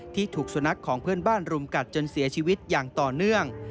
ถูกสุนัขของเพื่อนบ้านรุมกัดจนเสียชีวิตอย่างต่อเนื่อง